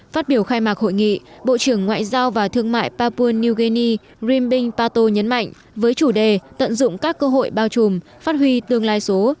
phát biểu khai mạc hội nghị bộ trưởng ngoại giao và thương mại papua new guini dreambing pato nhấn mạnh với chủ đề tận dụng các cơ hội bao trùm phát huy tương lai số